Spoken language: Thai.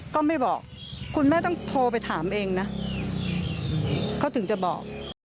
ก็ไม่บอกคุณแม่ต้องโทรไปถามเองนะเขาถึงจะบอก